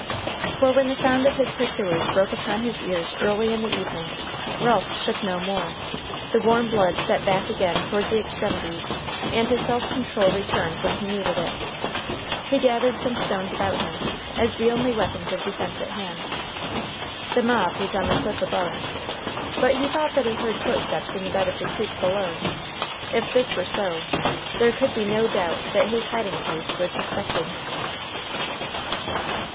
For when the sound of his pursuers' voices broke upon his ears early in the evening, Ralph shook no more; the warm blood set back again toward the extremities, and his self control returned when he needed it. He gathered some stones about him, as the only weapons of defense at hand. The mob was on the cliff above. But he thought that he heard footsteps in the bed of the creek below. If this were so, there could be no doubt that his hiding place was suspected.